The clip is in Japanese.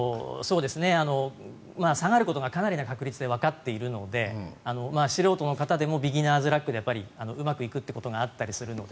下がることがかなりの確率でわかっているので素人の方でもビギナーズラックでうまくいくことがあったりするので。